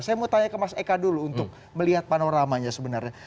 saya mau tanya ke mas eka dulu untuk melihat panoramanya sebenarnya